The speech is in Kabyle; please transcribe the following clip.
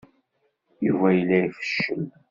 Yuba yella ifeccel.